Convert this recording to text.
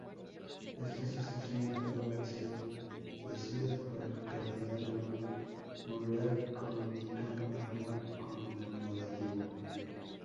Estas estaciones fueron bendecidas por el cardenal Bueno Monreal, como indica un mármol conmemorativo.